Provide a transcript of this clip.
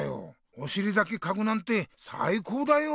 おしりだけかくなんてさいこうだよ。